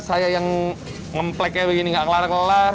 saya yang memplek kayak begini nggak ngelar ngelar